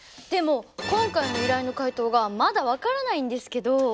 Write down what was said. でも今回の依頼の回答がまだ分からないんですけど。